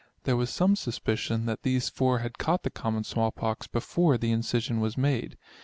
There was some suspicion, that these 4 had caught the common small pox before the incision was made.